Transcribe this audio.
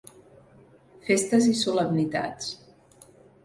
Festes i solemnitats.